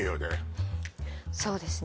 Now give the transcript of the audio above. そうですね